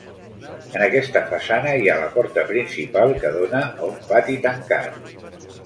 En aquesta façana hi ha la porta principal que dóna a un pati tancat.